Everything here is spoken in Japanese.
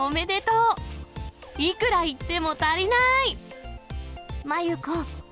いくら言っても足りなーい。